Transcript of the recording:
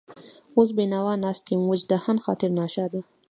وس بېنوا ناست يم وچ دهن، خاطر ناشاده